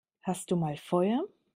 Hast du mal Feuer?